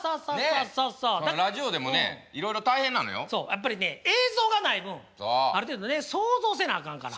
やっぱりね映像がない分ある程度想像せなあかんから。